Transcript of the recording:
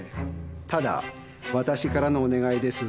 ただわたしからのお願いです。